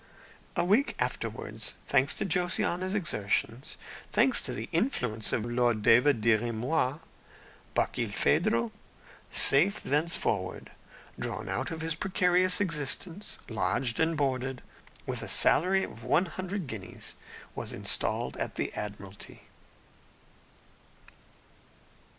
A week afterwards, thanks to Josiana's exertions, thanks to the influence of Lord David Dirry Moir, Barkilphedro safe thenceforward, drawn out of his precarious existence, lodged, and boarded, with a salary of a hundred guineas was installed at the Admiralty.